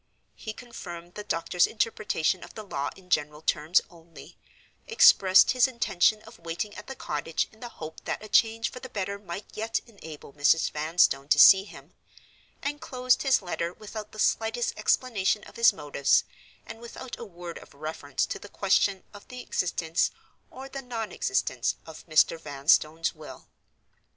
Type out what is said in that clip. He confirmed the doctors' interpretation of the law in general terms only; expressed his intention of waiting at the cottage in the hope that a change for the better might yet enable Mrs. Vanstone to see him; and closed his letter without the slightest explanation of his motives, and without a word of reference to the question of the existence, or the non existence, of Mr. Vanstone's will.